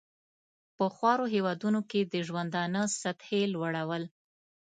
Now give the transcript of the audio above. په خوارو هېوادونو کې د ژوندانه سطحې لوړول.